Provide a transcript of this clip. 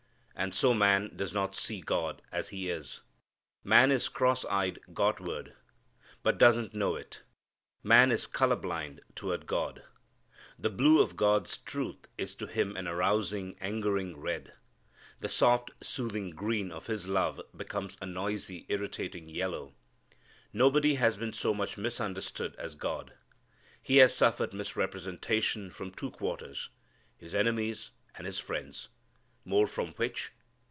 And so man does not see God as He is. Man is cross eyed Godward, but doesn't know it. Man is color blind toward God. The blue of God's truth is to him an arousing, angering red. The soft, soothing green of His love becomes a noisy, irritating yellow. Nobody has been so much misunderstood as God. He has suffered misrepresentation from two quarters: His enemies and His friends. More from which?